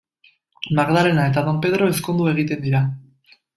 Magdalena eta Don Pedro ezkondu egiten dira.